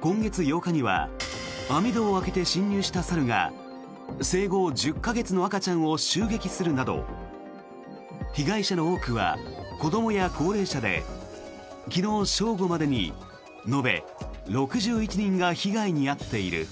今月８日には網戸を開けて侵入した猿が生後１０か月の赤ちゃんを襲撃するなど被害者の多くは子どもや高齢者で昨日正午までに延べ６１人が被害に遭っている。